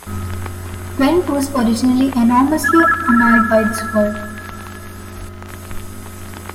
Went was originally enormously annoyed by this word.